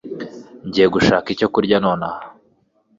Ngiye gushaka icyo kurya nonaha.